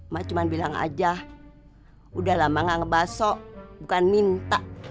ma cuma bilang aja udah lama ngebaso bukan minta